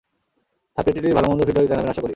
সাবটাইটেলটির ভালো-মন্দ ফিডব্যাক জানাবেন আশা করি।